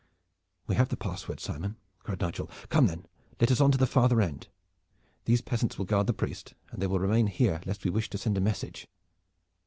"We have the password, Simon," cried Nigel. "Come then, let us on to the farther end. These peasants will guard the priest, and they will remain here lest we wish to send a message."